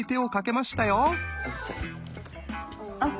あっ。